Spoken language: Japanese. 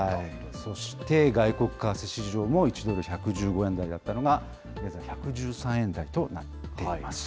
そして外国為替市場も１ドル１１５円台だったのが、現在１１３円台となっています。